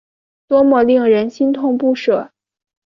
多么令人心痛不舍